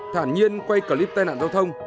thản nhiên quay clip tai nạn giao thông